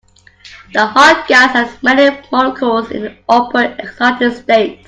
The hot gas has many molecules in the upper excited states.